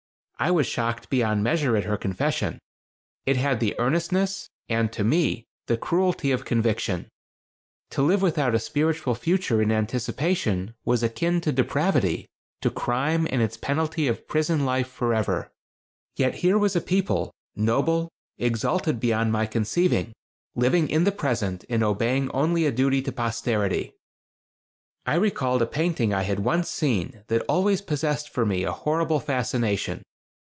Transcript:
I was shocked beyond measure at her confession. It had the earnestness, and, to me, the cruelty of conviction. To live without a spiritual future in anticipation was akin to depravity, to crime and its penalty of prison life forever. Yet here was a people, noble, exalted beyond my conceiving, living in the present, and obeying only a duty to posterity. I recalled a painting I had once seen that always possessed for me a horrible fascination.